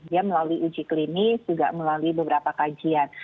dia melalui uji klinis juga melalui beberapa kajian